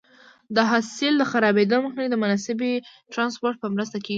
د حاصل د خرابېدو مخنیوی د مناسبې ټرانسپورټ په مرسته کېږي.